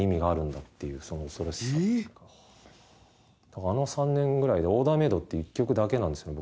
だからあの３年ぐらいで『オーダーメイド』っていう１曲だけなんですよね